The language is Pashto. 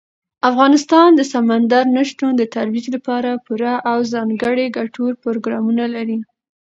افغانستان د سمندر نه شتون د ترویج لپاره پوره او ځانګړي ګټور پروګرامونه لري.